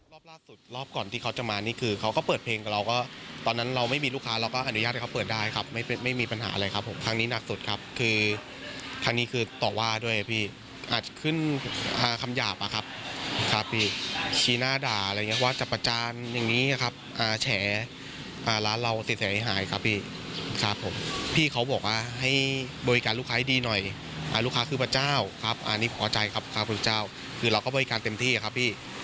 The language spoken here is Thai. รอบล่าสุดรอบก่อนที่เขาจะมานี่คือเขาก็เปิดเพลงกับเราก็ตอนนั้นเราไม่มีลูกค้าเราก็อนุญาตให้เขาเปิดได้ครับไม่มีปัญหาอะไรครับผมทางนี้หนักสุดครับคือทางนี้คือต่อว่าด้วยอะพี่อาจขึ้นคำหยาบอะครับครับพี่ชี้หน้าด่าอะไรอย่างเงี้ยว่าจะประจานอย่างนี้อะครับแฉล้าร้านเราเสียเสียให้หายครับพี่ครับผมพ